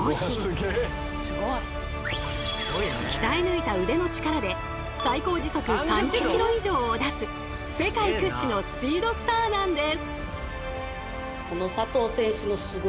鍛え抜いた腕の力で最高時速３０ｋｍ以上を出す世界屈指のスピードスターなんです。